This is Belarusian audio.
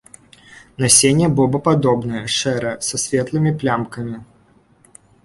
Насенне бобападобнае, шэрае, са светлымі плямкамі.